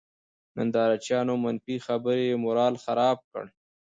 نندارچيانو، منفي خبرې یې مورال خراب کړ.